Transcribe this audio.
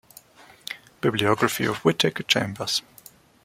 Bibliography of Whittaker Chambers.